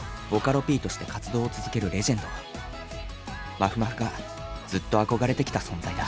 まふまふがずっと憧れてきた存在だ。